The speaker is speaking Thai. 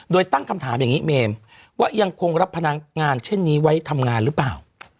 โดยตั้งคำถามอย่างนี้เมมว่ายังคงรับพนักงานเช่นนี้ไว้ทำงานหรือเปล่า